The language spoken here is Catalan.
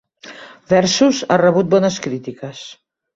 'Versus' ha rebut bones crítiques.